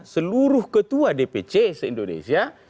seluruh ketua dpc se indonesia